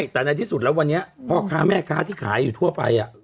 แต่ในที่สุดแล้ววันนี้พ่อค้าแม่ค้าที่ขายอยู่ทั่วไป